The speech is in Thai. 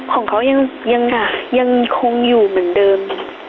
ของเขายังคงอยู่เหมือนเดิม